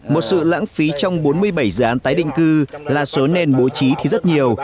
một sự lãng phí trong bốn mươi bảy dự án tái định cư là số nền bố trí thì rất nhiều